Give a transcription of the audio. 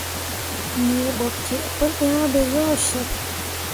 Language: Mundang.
Nii bo kǝǝ pu yah be yo ceɓ.